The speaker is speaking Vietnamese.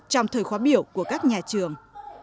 trong thời khóa biểu của các nhà trường